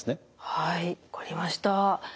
はい分かりました。